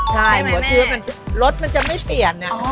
ใช่หัวเชื้อมันรสมันจะไม่เปลี่ยนอะ